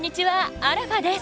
アラファです。